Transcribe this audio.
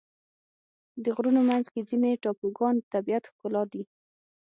د غرونو منځ کې ځینې ټاپوګان د طبیعت ښکلا دي.